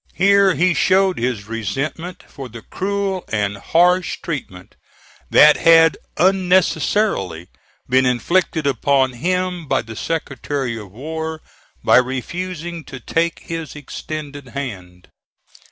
Here he showed his resentment for the cruel and harsh treatment that had unnecessarily been inflicted upon him by the Secretary of War, by refusing to take his extended hand.